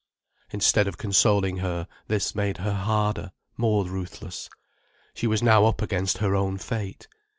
Instead of consoling her, this made her harder, more ruthless. She was now up against her own fate.